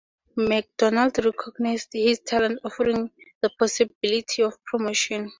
MacDonald recognised his talent offering the possibility of promotion.